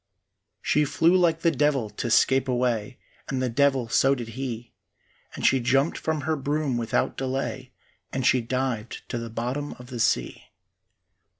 She flew like the devil to scape away, And the devil so did he, And she jumped from her broom without delay And she dived to the bottom of the sea.